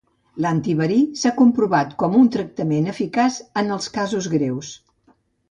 L'antiverí s'ha comprovat com un tractament eficaç en els casos greus.